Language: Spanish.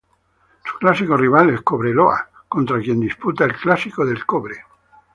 Su clásico rival es Cobreloa, contra quien disputa el "Clásico del Cobre".